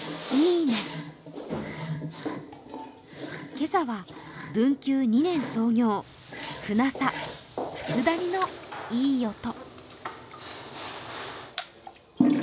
今朝は、文久２年創業、鮒佐、佃煮のいい音。